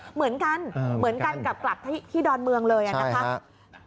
เหมือนกันกลับที่ดอนเมืองเลยนะคะ